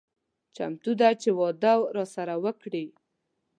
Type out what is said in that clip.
چمتو ده چې واده راسره وکړي.